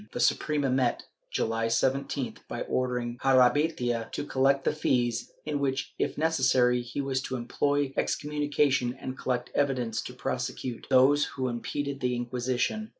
The Suprema met this, July 17th, by ordering Jarabeytia to collect the fees, in which if necessary he was to employ excommunication and collect evidence to prosecute those who impeded the Inquisition.